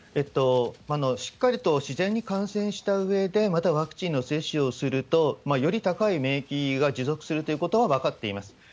しっかりと自然に感染したうえで、またワクチンの接種をすると、より高い免疫が持続するということは分かっています。